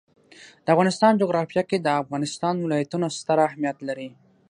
د افغانستان جغرافیه کې د افغانستان ولايتونه ستر اهمیت لري.